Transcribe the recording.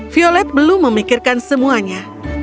violet belum memikirkan semuanya